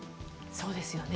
そうですよね。